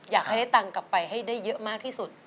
อยากให้ได้ตังค์กลับไปให้ได้เยอะมากที่สุด